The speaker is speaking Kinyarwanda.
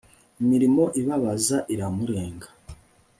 imirimo ibabaza iramurenga